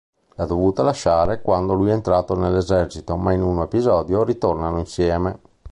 L'ha dovuta lasciare quando lui è entrato nell'esercito ma in un episodio ritornano insieme.